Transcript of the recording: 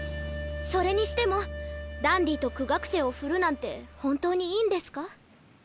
それにしてもダンディと苦学生を振るなんて本当にいいんですか？